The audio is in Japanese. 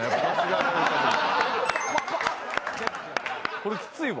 これきついわ。